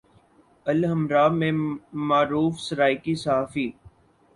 الحمرا میں معروف سرائیکی صحافی